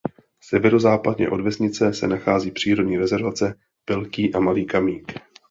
Severozápadně od vesnice se nachází přírodní rezervace Velký a Malý Kamýk.